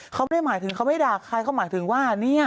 เขาไม่ได้หมายถึงเขาไม่ด่าใครเขาหมายถึงว่าเนี่ย